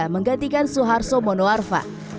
menggantikan soeharto monoarfa